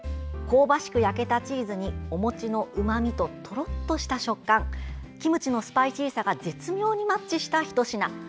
香ばしく焼けたチーズにお餅のうまみととろっとした食感キムチのスパイシーさが絶妙にマッチしたひと品。